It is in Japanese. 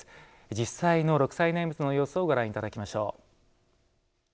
実際の六斎念仏の様子をご覧いただきましょう。